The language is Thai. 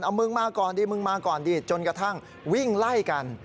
เอามึงมาก่อนดีมึงมาก่อนดีจนกระทั่งวิ่งไล่กัน